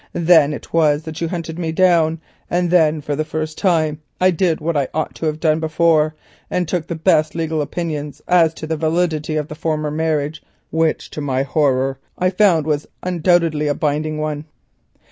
Then it was that you hunted me down, and then for the first time I did what I ought to have done before, and took the best legal opinions as to the validity of the former marriage, which, to my horror, I found was undoubtedly a binding one.